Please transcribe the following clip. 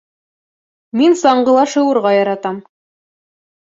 — Мин саңғыла шыуырға яратам.